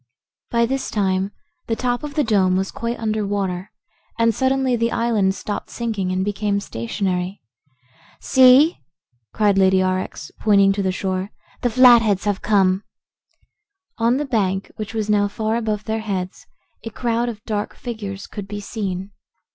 By this time the top of the dome was quite under water and suddenly the island stopped sinking and became stationary. "See!" cried Lady Aurex, pointing to the shore. "The Flatheads have come." On the bank, which was now far above their heads, a crowd of dark figures could be seen.